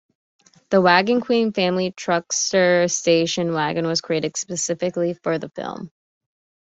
The Wagon Queen Family Truckster station wagon was created specifically for the film.